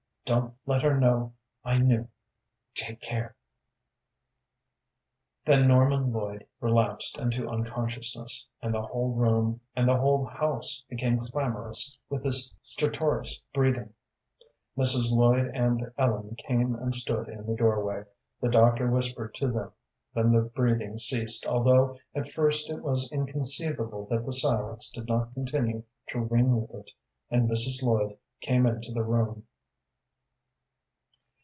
Don't let her know I knew. Take care " Then Norman Lloyd relapsed into unconsciousness, and the whole room and the whole house became clamorous with his stertorous breathing. Mrs. Lloyd and Ellen came and stood in the doorway. The doctor whispered to them. Then the breathing ceased, although at first it was inconceivable that the silence did not continue to ring with it, and Mrs. Lloyd came into the room.